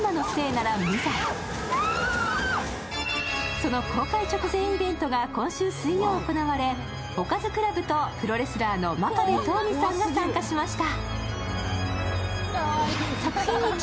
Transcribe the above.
その公開直前イベントが今週水曜行われ、おかずクラブとプロレスラーの真壁刀義さんが参加しました。